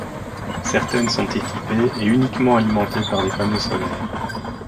Certaines sont équipées et uniquement alimentées par des panneaux solaires.